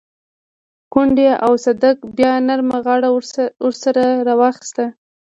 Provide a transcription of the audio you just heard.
کونډې او صدک بيا نرمه غاړه ورسره راواخيسته.